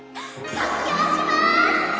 卒業します！